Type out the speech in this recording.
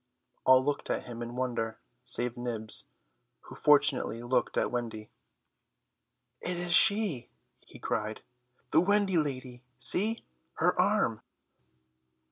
All looked at him in wonder, save Nibs, who fortunately looked at Wendy. "It is she," he cried, "the Wendy lady, see, her arm!"